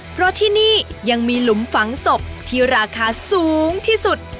เพราะที่นี่ยังมีหลุมฝังศพที่ราคาสูงที่สุด